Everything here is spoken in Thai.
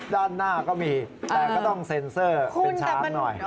ด้านหน้าก็มีแต่ก็ต้องเซ็นเซอร์เป็นช้างหน่อย